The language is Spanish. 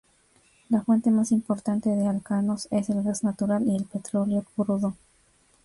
La fuente más importante de alcanos es el gas natural y el petróleo crudo.